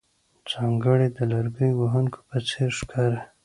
ځانګړی د لرګیو وهونکو په څېر ښکارې.